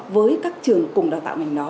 với các trường cùng đào tạo ngành đó